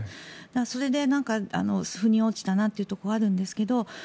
それで腑に落ちたところがあるんですが。